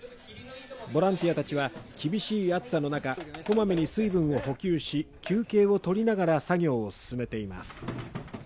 ボランティアたちは厳しい暑さの中、こまめに水分を補給し休憩を取りながら作業を進めています。